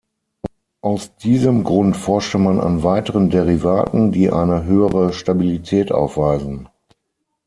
Aus diesem Grund forschte man an weiteren Derivaten, die eine höhere Stabilität aufweisen.